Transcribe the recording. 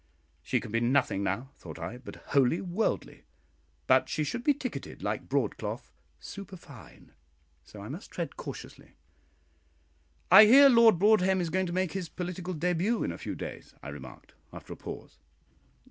She can be nothing now, thought I, but "wholly worldly," but she should be ticketed, like broadcloth, "superfine;" so I must tread cautiously. "I hear Lord Broadhem is going to make his political début in a few days," I remarked, after a pause.